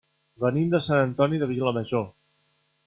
Venim de Sant Antoni de Vilamajor.